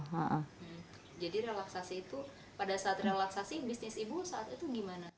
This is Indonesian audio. jadi relaksasi itu pada saat relaksasi bisnis ibu saat itu bagaimana